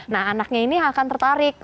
nah anaknya ini akan tertarik